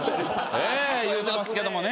ねえ言うてますけどもね。